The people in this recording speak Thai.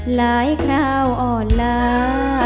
หลายคราวอ่อนลา